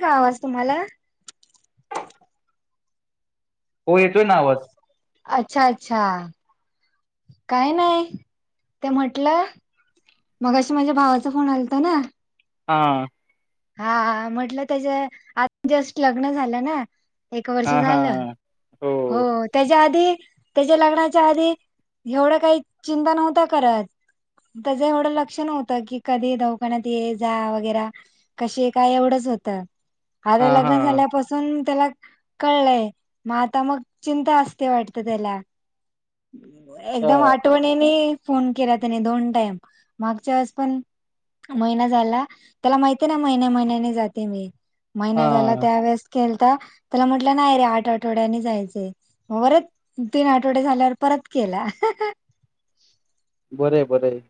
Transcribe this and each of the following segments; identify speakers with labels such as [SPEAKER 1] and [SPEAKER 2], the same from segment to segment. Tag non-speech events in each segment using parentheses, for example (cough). [SPEAKER 1] का आवाज तुम्हाला.
[SPEAKER 2] हो येतोय ना आवाज हा
[SPEAKER 1] अच्छा अच्छा. काय नाही ते म्हटलं. मग अ माझ्या भावाचा फोन आलत ना.....
[SPEAKER 2] हा.
[SPEAKER 1] हा म्हटलं त्याच्या आता जस्ट लग्न झालं ना. एक वर्ष
[SPEAKER 2] हा हा
[SPEAKER 1] झालं, हो त्याच्या आध ती, त्याच्या लग्नाच्या आधी, एवढ काही चिंता नव्हता करत. त्याच एवढं लक्ष नव्हतं, की कधी दवाखान्यात ये जा वगैरा. कशी काय एवढंच होत,
[SPEAKER 2] हा
[SPEAKER 1] आता
[SPEAKER 2] हा
[SPEAKER 1] लग्न झाल्यापासून. त्याला कळय, म आता मग चिंता असते, वाटत त्याला.
[SPEAKER 2] अच्छा
[SPEAKER 1] एकदम आठवणीनी फोन केला त्याने दोन टाईम मागचा वेळेस पण महिना झाला, त्याला माहित महिन्या महिन्यानी जाते मी
[SPEAKER 2] हा
[SPEAKER 1] महिना झाला त्या वेळेस केल ता, त्याला म्हटल नाही रे आठ आठवड्यानी जायच आहे परत तीन आठवड झाल्या परत केला.
[SPEAKER 2] बरय बरय.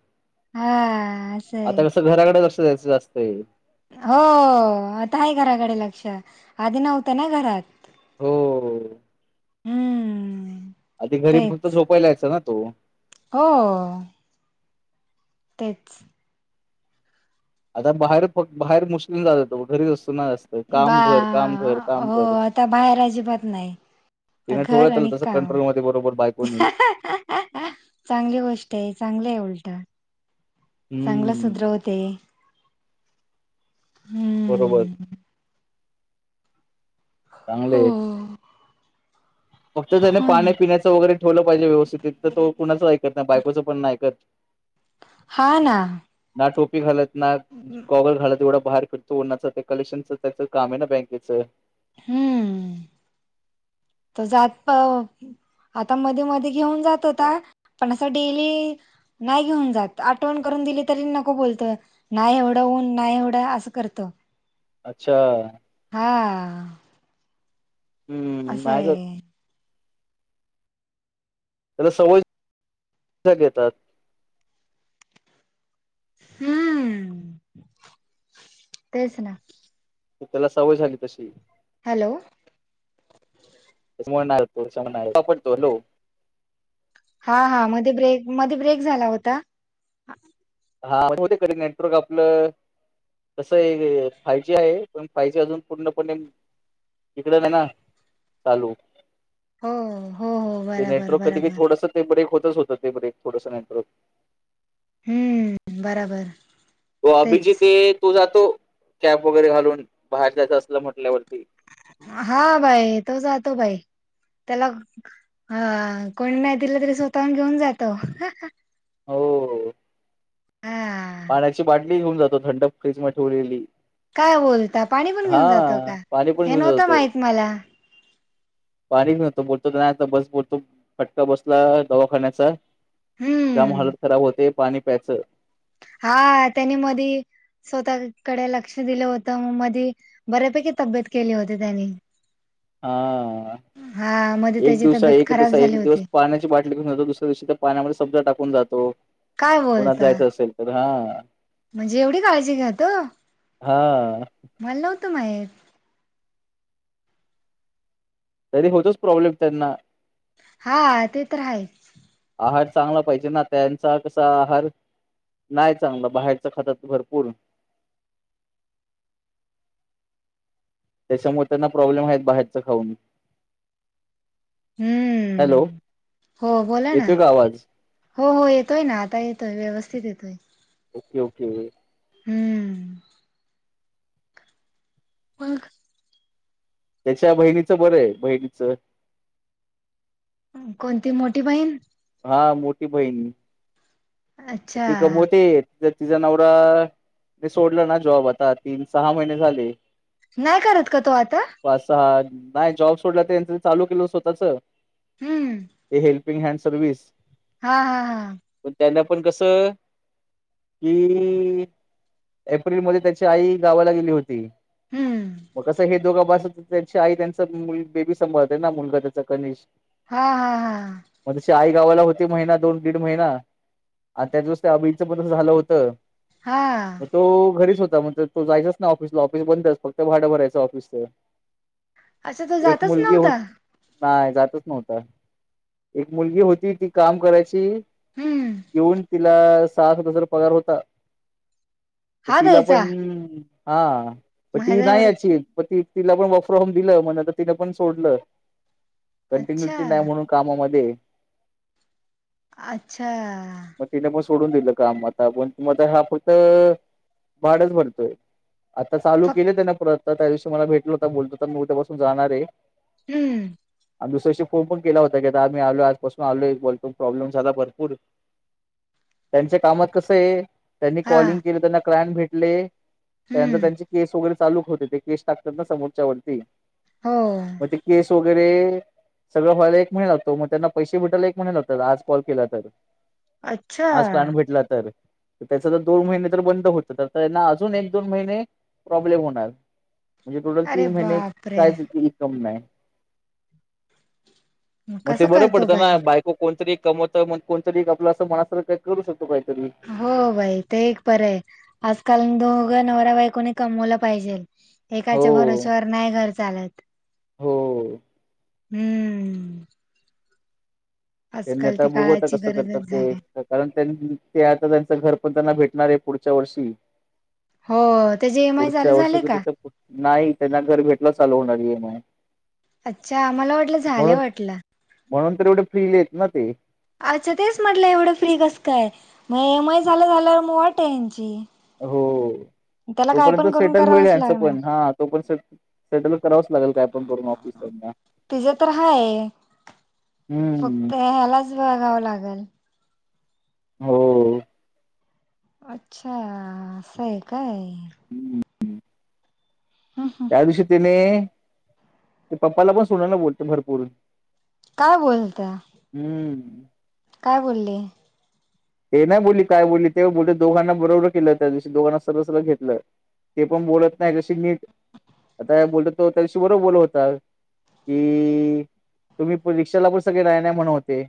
[SPEAKER 1] हा. असं आहे
[SPEAKER 2] आता कसं घराकड लक्ष द्यायचं जास्त आहे.
[SPEAKER 1] हो आता आहे घराकडे लक्ष, आधी नव्हतं ना घरात.
[SPEAKER 2] हो.
[SPEAKER 1] हा आ.
[SPEAKER 2] आधी घरी फक्त झोपायला यायचा ना तो.
[SPEAKER 1] हो. तेच.
[SPEAKER 2] आता बाहेर फक् बाहेर मुस्लिम जात तो घरीच असतो. ना जास्त
[SPEAKER 1] बा
[SPEAKER 2] काम घर काम घर काम
[SPEAKER 1] हो
[SPEAKER 2] घर
[SPEAKER 1] आता बाहेर अजिबात नाही. आ
[SPEAKER 2] तिनं ठेवलं
[SPEAKER 1] घर आणि
[SPEAKER 2] त्याला तसं
[SPEAKER 1] काम,
[SPEAKER 2] कंट्रोलमध्ये बरोबर बायकोनी
[SPEAKER 1] चांगली गोष्ट आहे चांगलय उलट. (unintelligible) चांगलं
[SPEAKER 2] हम्म
[SPEAKER 1] सुधरवते.
[SPEAKER 2] बरोबर.
[SPEAKER 1] हम्म
[SPEAKER 2] चांगले
[SPEAKER 1] हो.
[SPEAKER 2] फक्त त्याने
[SPEAKER 1] हो
[SPEAKER 2] पाण्या
[SPEAKER 1] ना
[SPEAKER 2] पिण्याचं वगैरे ठेवलं पाहिजे, व्यवस्थित तर तो कुणाच ऐकत नाही बाय कोच पण नाही ऐकत.
[SPEAKER 1] हा ना.
[SPEAKER 2] टोपी घालत ना, गॉगल घालत एवढं बाहेर फिरतो उन्हाचं कलेक्शनच त्याच काम आहे ना बँकेचं.
[SPEAKER 1] हम्म. तो जातो. आता मध्ये मध्ये घेऊन जात होता, पण असं डेली नाही घेऊन जात, आठवण करून दिले तरी नको बोलतो, नाही एवढं ऊन नाही एवढं असं करतो.
[SPEAKER 2] अच्छा
[SPEAKER 1] हा.
[SPEAKER 2] हम्म
[SPEAKER 1] असं
[SPEAKER 2] नाही
[SPEAKER 1] आहे.
[SPEAKER 2] जात त्याला सवय, घेतात.
[SPEAKER 1] हम्म, तेच ना.
[SPEAKER 2] त्याला सवय झाली तशी.
[SPEAKER 1] हॅलो.
[SPEAKER 2] (unintelligible) सपडतो लो.
[SPEAKER 1] हा हा मध्ये ब्रेक, मध्ये ब्रेक झाला होता.
[SPEAKER 2] हा होऊ दे कधी नेटवर्क आपलं तसं आहे फायजी आहे पण फायजी अजून पूर्णपणे इकड नाही ना, चालू.
[SPEAKER 1] हो हो हो
[SPEAKER 2] ते
[SPEAKER 1] बराबर
[SPEAKER 2] नेटवर्क कधी कधी
[SPEAKER 1] बराबर
[SPEAKER 2] थोडस ते ब्रेक हो होतच ते ब्रेक थोडस नेटवर्क.
[SPEAKER 1] हम्म बराबर.
[SPEAKER 2] तो
[SPEAKER 1] तेच
[SPEAKER 2] अभिजीत, तो जातो कॅप वगैरे घालून बाहेर जायचं असल म्हटल्यावर.
[SPEAKER 1] हा बाई तो जातो बाई त्याला ह कोणी नाही दिलं तरी स्वतःहून घेऊन जातो.
[SPEAKER 2] हो.
[SPEAKER 1] हम.
[SPEAKER 2] पाण्याची बाटली घेऊन जातो थंड फ्रीज मध्ये ठेवलेली.
[SPEAKER 1] काय बोलता? पाणी पण
[SPEAKER 2] हा
[SPEAKER 1] घेऊन जातो का?
[SPEAKER 2] पाणी पण
[SPEAKER 1] हे
[SPEAKER 2] घेऊन
[SPEAKER 1] नव्हतं
[SPEAKER 2] जातो
[SPEAKER 1] माहित मला.
[SPEAKER 2] पाणी नव्हतो बोलतो. नाही आता, बस बोलतो फटका बसला दवाखान्याचा. जाम हलत
[SPEAKER 1] हम्म
[SPEAKER 2] खराब होते पाणी प्यायचं.
[SPEAKER 1] हा त्यानी मध स्वतःकडे लक्ष दिलं होतं. मग मधी बऱ्यापैकी तब्येत केली होती त्यानी.
[SPEAKER 2] हा.
[SPEAKER 1] हा मध्ये
[SPEAKER 2] एक
[SPEAKER 1] त्याची
[SPEAKER 2] दिवसा
[SPEAKER 1] तब्येत
[SPEAKER 2] एक
[SPEAKER 1] खराब
[SPEAKER 2] दिसा एक
[SPEAKER 1] झाली
[SPEAKER 2] दिवस
[SPEAKER 1] होती
[SPEAKER 2] पाण्याची बाटली घेऊन जेतो. दुसऱ्या दिवशी त्या पाण्यामध्ये सब्जा टाकतो. कोण जातो
[SPEAKER 1] काय
[SPEAKER 2] कण्यात
[SPEAKER 1] बोलता
[SPEAKER 2] जायच असेल तर हा.
[SPEAKER 1] म्हणजे एवढी काळजी घ्यात?
[SPEAKER 2] हा.
[SPEAKER 1] मला नव्हतं माहित.
[SPEAKER 2] तरी होतोच प्रॉब्लेम त्यांना.
[SPEAKER 1] हा ते तर आहेच.
[SPEAKER 2] आहार चांगला पाहिजे ना त्यांचा कसा आहार नाही चांगलं बाहेरच खात भरपूर. त्याच्यामुळे त्यांना प्रॉब्लेम आहेत. बाहेरचा खाऊन हॅलो.
[SPEAKER 1] हम्म हो बोला ना.
[SPEAKER 2] येतोय का आवाज
[SPEAKER 1] हो हो येतोय ना आता येतोय व्यवस्थित येतोय.
[SPEAKER 2] Okay okay.
[SPEAKER 1] हम्म. मंग.
[SPEAKER 2] त्याच्या बहिणीचं बरं आहे बहिणीचं
[SPEAKER 1] कोणती मोठी बहीण?
[SPEAKER 2] हा मोठी बहीण
[SPEAKER 1] अच्छा
[SPEAKER 2] ती कमवते. ज तिचा नवरा सोडला ना जॉब आता तीन सहा महिने झाले.
[SPEAKER 1] नाही करत का तो आता?
[SPEAKER 2] पाच सहा नाही जॉब सोडला, तरच चालू केलं स्वतःच.
[SPEAKER 1] हम्म.
[SPEAKER 2] (unintelligible) हँड सर्वविस.
[SPEAKER 1] हा हा हा.
[SPEAKER 2] पण कसं कि एप्रिल म त्याची आई गावाला गेली होती.
[SPEAKER 1] हम्म
[SPEAKER 2] मग कसं हे दोघा बास हो त्यांची आई त्यांच बेबी संभाळते ना, मुलगा त्याचा कनिश
[SPEAKER 1] हा, हा, हा
[SPEAKER 2] मग तसे आई गावाला होती महिना दोन दीड महिना, आणि त्याच दिवस त्या अभीचं पण तसं झालं होतं. मग
[SPEAKER 1] हा
[SPEAKER 2] तो घरीच होत. तो जायचच नाई ऑफिसला, ऑफिस बंदच फत भाडं भरायचं ऑफिसच
[SPEAKER 1] अच्छा तो जातच नव्हता.
[SPEAKER 2] नाही, जातच नव्हता, एक मुलगी होती ती काम करायची.
[SPEAKER 1] हम्म
[SPEAKER 2] येऊन तिला, सात हजार पगार होता. पन
[SPEAKER 1] हा
[SPEAKER 2] तिला
[SPEAKER 1] द्यायचा
[SPEAKER 2] पण, हा, पन ती
[SPEAKER 1] माझा
[SPEAKER 2] नाही
[SPEAKER 1] एवढं
[SPEAKER 2] याची पन ती तिला पण वर्क फो्रम होम दिलं, म्हणताना तिने पण सोडलं,
[SPEAKER 1] अच्छा
[SPEAKER 2] कंटिन्युटी नाही म्हणून कामा अए
[SPEAKER 1] अच्छा,
[SPEAKER 2] पण सोडून दिलं काम,, आता पण त मता हा,, फक्त भाडच भरतोय, आता चालू
[SPEAKER 1] फक्त
[SPEAKER 2] केले त्या ना परत,, त्या दिवशी मला भेटल होता, बोलत होता, मी उद्यापासून जाणार यऽऽ
[SPEAKER 1] हम्म,
[SPEAKER 2] आणि दुसऱ्याशी फोन पण केला होता,, की आता आम्ही आलोय,, आजपासून आलोय,, बोलतो प्रॉब्लेम झाला भरपूरऽऽ त्यांच्या कामात कसय? त्यांनी
[SPEAKER 1] हा
[SPEAKER 2] कॉलिंग केले, त्यांना क्रॅन भेटले, त्यानंतर
[SPEAKER 1] हम्म
[SPEAKER 2] त्यांचे केस वगैरेऽऽ चालूक होते, ते केस टाकतात ना समोरच्या वरतीऽऽ
[SPEAKER 1] हो,
[SPEAKER 2] वगैरे,, सगळं व्हायला एक महिने लागतो,, मग त्यांना पैसे भेटायला एक महिना लागतो,, आज कॉल केला तरऽऽ
[SPEAKER 1] अच्छा
[SPEAKER 2] आज प्लॅन भेटला तर,, त्याच तरर दोन महिने तर बंद होत,, तर त्यांना अजून एक दोन महिने प्रॉब्लेम होणारऽऽ म्हणजे टोटल
[SPEAKER 1] अरे
[SPEAKER 2] तीन महिने,,
[SPEAKER 1] बापरे
[SPEAKER 2] कायच इनकम नाय, मग ते
[SPEAKER 1] कसं
[SPEAKER 2] बरं
[SPEAKER 1] करतो
[SPEAKER 2] पडतं ना,,
[SPEAKER 1] बाई
[SPEAKER 2] बायको कोणतरी एक कमवतं,, मग कोणतरी आपलं असं,, मस का करू शकतऽऽ
[SPEAKER 1] हो बाई,, ते एक बर आहे,, आजकाल दोघं नवराबाई कोणी कमवला पाहिजे. एकाच्या
[SPEAKER 2] हो,
[SPEAKER 1] भरोसवर नाही घर चालत.
[SPEAKER 2] हो,
[SPEAKER 1] हम्म,
[SPEAKER 2] त्यांनी
[SPEAKER 1] आजकाल
[SPEAKER 2] आता
[SPEAKER 1] ते
[SPEAKER 2] बघु आता
[SPEAKER 1] काळाची
[SPEAKER 2] कसं करतात
[SPEAKER 1] गरजच
[SPEAKER 2] ते,,
[SPEAKER 1] झाली.
[SPEAKER 2] कारण त्यांच ते आता त्यांच घर पण त्यांना भेटत े पुढच्या वर्षी.
[SPEAKER 1] हो त्याचे ई एम आय चालू
[SPEAKER 2] पुढच्या वर्षी
[SPEAKER 1] झाले
[SPEAKER 2] क
[SPEAKER 1] का?
[SPEAKER 2] त्या नाही,, त्यांना घर भेटला चालू होणार आहे ऽऽ
[SPEAKER 1] अच्छा, आम्हाला वाटलं, झालंय
[SPEAKER 2] म्हणून
[SPEAKER 1] वाटलं,,
[SPEAKER 2] म्हणून तर एवढे फ्रीलीत ना ते,,,
[SPEAKER 1] अच्छा तेच म्हटलं,, एवढं फ्री कस काय,, मग ए एम आय झालं झाल्या मग वाटे यांचीऽऽ
[SPEAKER 2] हो, तोपर्यंत
[SPEAKER 1] करून
[SPEAKER 2] सेटल होईल
[SPEAKER 1] करावंच
[SPEAKER 2] याचं
[SPEAKER 1] लागणार.
[SPEAKER 2] पण,, ह,, तो पण सेटल करावच लागेल काय पण करून ऑफिसऽऽ ना,
[SPEAKER 1] तिझं तर हाय,,
[SPEAKER 2] हम्म.
[SPEAKER 1] फक्त ह्यालाच बघावं लागलऽऽ
[SPEAKER 2] हो,
[SPEAKER 1] अच्छा,, अस आहे काय?
[SPEAKER 2] हम्म.
[SPEAKER 1] हम्म हम्म.
[SPEAKER 2] त्या दिवशी त्याने,, ते पप्पाला पण सोनायला बोलते भरपूरऽऽ
[SPEAKER 1] काय बोलत? काय बोलली?
[SPEAKER 2] हे नाही बोलली, काय बोलली ते,, बोलते दोघांना बरोबर केलं त्या दिवशी,, दोघांना सर सगळ घेतलं ते पण बोलत नाही जशी नीट,, आता बोलत तो त्याच्याशी बर बोलत होता कि,, तुम्ही रिक्षाला पण सगळे नाहि, नाही म्हण होते.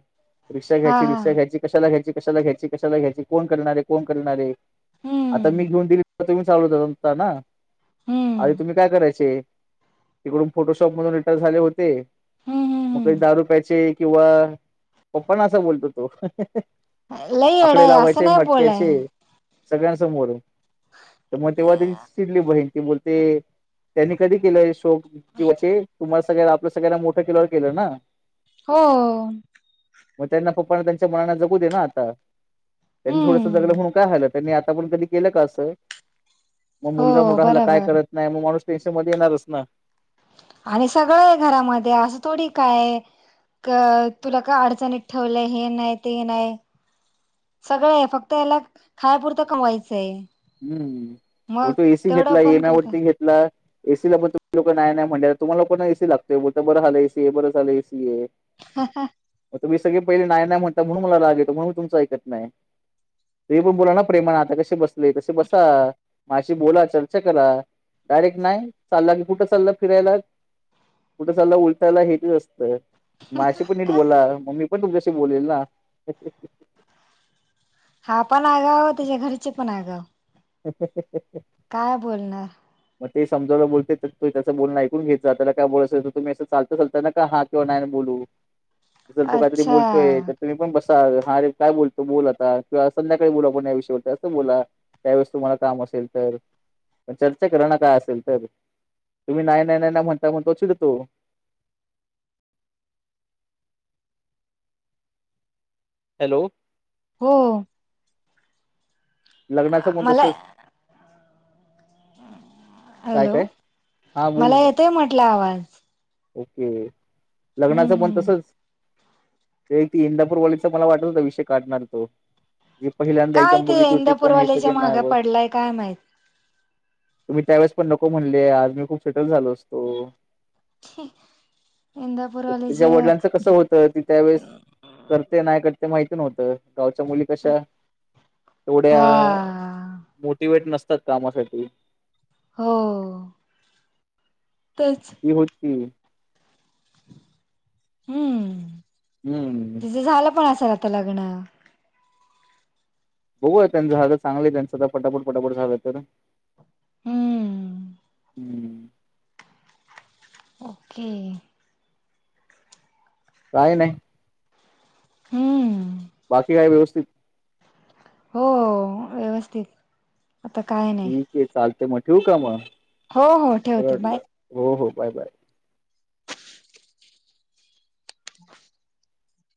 [SPEAKER 2] रिक्षा
[SPEAKER 1] हा
[SPEAKER 2] घ्यायची,
[SPEAKER 1] हा
[SPEAKER 2] रिक्षा घ्यायची, कशाला घ्यायची कशाला घ्यायची, कशाला घ्यायची, कोण करणारे, कोण करणारे, आता मी
[SPEAKER 1] हम्म
[SPEAKER 2] घेऊन दिली तर तुम्ही चालवता ना,, आधि
[SPEAKER 1] हम्म
[SPEAKER 2] तुम्ही काय करायचे? तिकडून फोटोशॉप मधून रिटर्न झाल्या वरती
[SPEAKER 1] हम्म
[SPEAKER 2] पपा
[SPEAKER 1] हम्म
[SPEAKER 2] दारु प्याचे किंवा पप्पा ना असा बोलतो तो
[SPEAKER 1] हम्म लई येड
[SPEAKER 2] आकडे
[SPEAKER 1] आहे असं
[SPEAKER 2] लावायचे
[SPEAKER 1] नाही बोलाय
[SPEAKER 2] मटक्याचे सगळ्यांसमोर. तर मग तेव्हा त्यां शिडली बहीण ती बोलते त्यांनी कधी केलं शोक जीवाचे तुम्हाला सगळ्या आपलं सगळ्यांना मोठं किलोर केलं ना
[SPEAKER 1] हो
[SPEAKER 2] मग त्यांना पप्पाना त्यांच्या मनाना जगू दे ना आता त्यांनी थोडंसं
[SPEAKER 1] हम्म
[SPEAKER 2] जगलं म्हणून काय हरकत त्यांनी आता पण कधी केलं का असं मग
[SPEAKER 1] हो
[SPEAKER 2] मुलगा मोठा झाला काय
[SPEAKER 1] बरोबर
[SPEAKER 2] करत नाही मग माणूस पेशा मध्ये येणारच ना
[SPEAKER 1] आणि सगळं ये घरामध्ये असं थोडी काय. अ तुला का अडचणीत ठेवलंय हे नाही ते नाही. सगळं आहे फक्त याला खायपुरतं कमवायचंय मग
[SPEAKER 2] हम्म तो एसी
[SPEAKER 1] तेवढं
[SPEAKER 2] घेतला
[SPEAKER 1] पण
[SPEAKER 2] एम
[SPEAKER 1] करत
[SPEAKER 2] वरती घेतला एसीला पण तुही लोक नाहीय नाही म्हणायला तुम्हाला कोण ए स लातोय बठं बं झालं एसी आहे बरं झालं एसी आहे
[SPEAKER 1] हा हा
[SPEAKER 2] मी सगळे पहिले नाहीय नाही म्हणत म्हणून मला लागतो म्हणून मी तुमच ऐकत नाही. तु पण बोला ना प्रेमाणा आता कसे बसले कसे बसा माशी बोला चर्चा करा डायरेक्ट नाही चालला की कुठं चाला फिरायला कुठं चाला उलटायला हेच असतं माशी पण नीट बोला मम्मी पण तुमच्याशी बोलेल ना!
[SPEAKER 1] हा पण आगाव त्याच्या घरीचे पण आगाव
[SPEAKER 2] रिकामा ऑडिओ.
[SPEAKER 1] काय बोलणार
[SPEAKER 2] मग ते समजवलं बोलते तर त ते त्यां बोलण ऐकून घेत जा त्या काय बोलायच तुम्ही असं चालता चालता नका हा किंवा नाही.. जर तो काहीतरी
[SPEAKER 1] अच्छा
[SPEAKER 2] बोलतोय तर तुम्ही पण बस ह रे काय बोलतो बोल आता किंवा संध्याकाळी बोला पण या विषयावर असं बोला. त्यावेेळेस तुम्हाला काम असेल तर चर्चा करा ना काय असेल तर तुम्ही नाही नाही नाही नाही म्हणता म्हणता चिडतो. हॅलो
[SPEAKER 1] हो
[SPEAKER 2] लग्नाचं म
[SPEAKER 1] मला
[SPEAKER 2] तसच.
[SPEAKER 1] हॅलो
[SPEAKER 2] हां, बोल
[SPEAKER 1] मला
[SPEAKER 2] ना.
[SPEAKER 1] येतय म्हटलं आवाज.
[SPEAKER 2] ओके
[SPEAKER 1] हम्म
[SPEAKER 2] लग्नाचं पण
[SPEAKER 1] हम्म
[SPEAKER 2] तसच ते त इंदापूर वॉलीचा मला वाटत होता विषय काढणार तो जी पहिल्यांदा
[SPEAKER 1] काय
[SPEAKER 2] एकदम
[SPEAKER 1] ते
[SPEAKER 2] बघितली होती पण हे
[SPEAKER 1] इंदापूरवाल्याच्या
[SPEAKER 2] सगळे नाही
[SPEAKER 1] मागे
[SPEAKER 2] ओ
[SPEAKER 1] पडलाय काय माहित
[SPEAKER 2] तुम्ही त्यावेेळेस पण नको म्हणले आज मी खूप सेटल झालो असतो. त्याच्या
[SPEAKER 1] इंदापूरवाल्याच्या
[SPEAKER 2] वडिलांच कस होत ती त्यावेेळेस करते नाही करते. ते माहित नव्हतं. गावच्या मुली कशा तेवढ्या
[SPEAKER 1] हा
[SPEAKER 2] मोटिवेट नसत असतात कामासाठी
[SPEAKER 1] हो तेच
[SPEAKER 2] (unintelligible)
[SPEAKER 1] हम्म
[SPEAKER 2] हम्म
[SPEAKER 1] तुझं झालं पण अस सलात लागणं
[SPEAKER 2] बघू त्यांचं झालं चांगलंय त्यांचं तर पटापट पटापट झालं तर.
[SPEAKER 1] हम्म.
[SPEAKER 2] हम्म
[SPEAKER 1] ओके.
[SPEAKER 2] काही नाही
[SPEAKER 1] हम्म.
[SPEAKER 2] बाकी काय व्यवस्थित
[SPEAKER 1] हो व्यवस्थित. आता काय नाही
[SPEAKER 2] ठीक आहे चालते मग ठेव का मग
[SPEAKER 1] हो हो
[SPEAKER 2] बरं
[SPEAKER 1] ठेवते बाय
[SPEAKER 2] वाटलं हो हो. Bye bye.